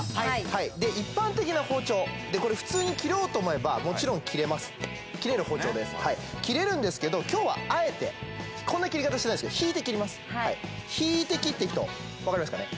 はいで一般的な包丁これ普通に切ろうと思えばもちろん切れます切れる包丁ですはい切れるんですけど今日はこんな切り方しないんですけど引いて切っていくと分かりますかね